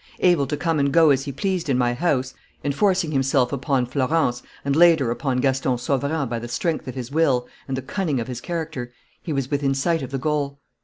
Able to come and go as he pleased in my house, enforcing himself upon Florence and later upon Gaston Sauverand by the strength of his will and the cunning of his character, he was within sight of the goal.